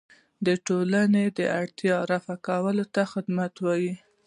د ټولنې د اړتیاوو رفع کولو ته خدمت وایي.